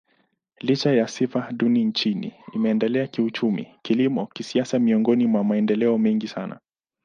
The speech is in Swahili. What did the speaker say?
Licha ya sifa duni nchini, imeendelea kiuchumi, kilimo, kisiasa miongoni mwa maendeleo mengi sana.